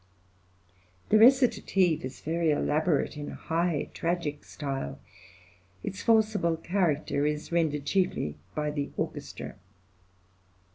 The recitative is very elaborate, in high tragic style; its forcible character is rendered chiefly by the orchestra.